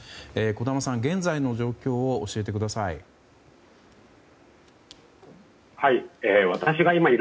児玉さん、現在の状況を教えてください。